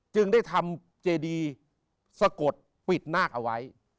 จึงได้ทำเจดีสะกดปิดนาคเอาไว้